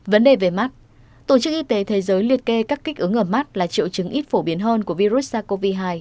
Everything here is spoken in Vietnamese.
vấn đề về mắt tổ chức y tế thế giới liệt kê các kích ứng ở mắt là triệu chứng ít phổ biến hơn của virus sars cov hai